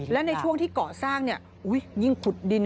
และในช่วงที่ก่อสร้างยิ่งขุดดิน